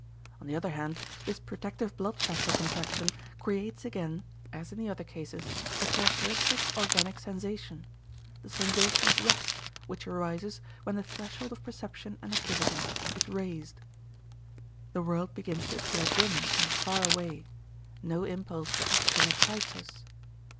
On the other hand this protective blood vessel contraction creates again as in the other cases a characteristic organic sensation, the sensation of rest which arises when the threshold of perception and activity is raised. The world begins to appear dim and far away, no impulse for action excites us.